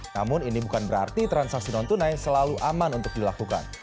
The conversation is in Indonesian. namun ini bukan berarti transaksi non tunai selalu aman untuk dilakukan